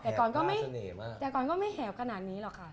เป็นอย่างนี้ก็แต่ก่อนก็ไม่แหบขนาดนี้หรอกค่ะ